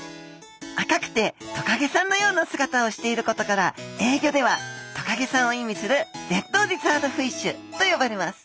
赤くてトカゲさんのような姿をしていることから英語ではトカゲさんを意味するレッド・リザードフィッシュと呼ばれます。